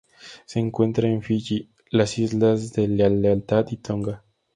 Se encuentra en Fiyi, las Islas de la Lealtad y Tonga.